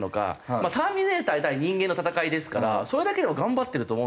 まあターミネーター対人間の戦いですからそれだけでも頑張ってると思うんですけど。